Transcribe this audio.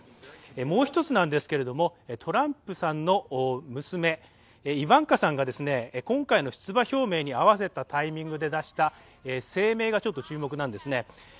もう１つなんですが、トランプさんの娘、イヴァンカさんが今回の出馬表明に合わせたタイミングで出した声明がちょっと注目なんですね。